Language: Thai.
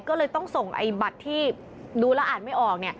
ก็เลยต้องส่งไอ้บัตรที่ดูแล้วอ่านไม่ออก